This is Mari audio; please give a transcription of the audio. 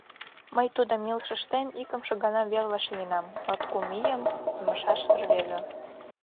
Мый тудым илышыштем икымше гана веле вашлийынам – латкум ийым темышаш рвезе.